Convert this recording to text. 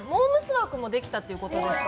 枠もできたということですか？